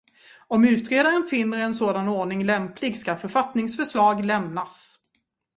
Om utredaren finner en sådan ordning lämplig ska författningsförslag lämnas.